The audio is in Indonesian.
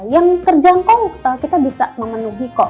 yang kerjaan kok kita bisa memenuhi kok